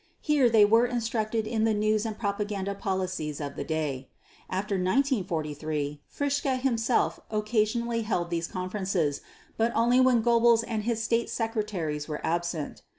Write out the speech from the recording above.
Here they were instructed in the news and propaganda policies of the day. After 1943 Fritzsche himself occasionally held these conferences, but only when Goebbels and his State Secretaries were absent.